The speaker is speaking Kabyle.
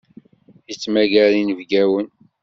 Yettmagar inebgawen.